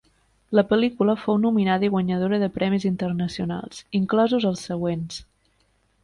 La pel·lícula fou nominada i guanyadora de premis internacionals, inclosos els següents.